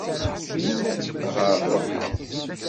Win ɣer ṛuḥeɣ.